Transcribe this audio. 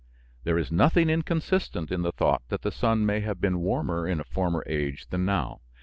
There is nothing inconsistent in the thought that the sun may have been warmer in a former age than now.